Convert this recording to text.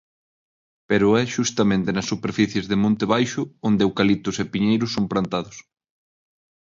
Pero é xustamente nas superficies de monte baixo onde eucaliptos e piñeiros son plantados.